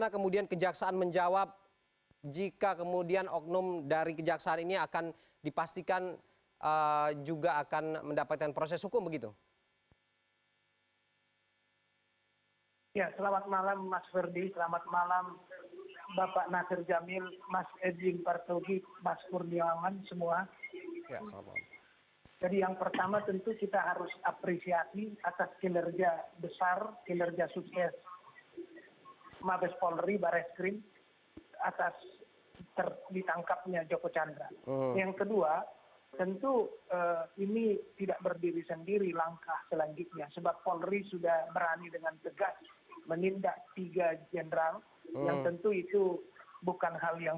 kemudian juga ada jaksa yang dicopot oleh jaksa agung